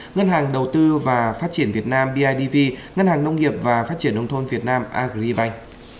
ngân hàng đầu tư và phát triển việt nam bidv ngân hàng nông nghiệp và phát triển nông thôn việt nam agribank